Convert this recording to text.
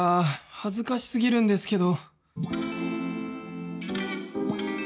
恥ずかしすぎるんですけど